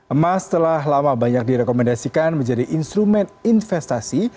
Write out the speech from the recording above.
emas telah lama banyak direkomendasikan menjadi instrumen investasi